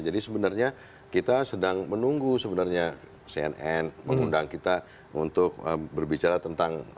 jadi sebenarnya kita sedang menunggu sebenarnya cnn mengundang kita untuk berbicara tentang